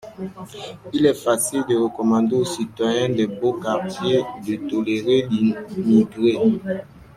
Il est facile de recommander au citoyen des beaux quartiers de tolérer l'immigré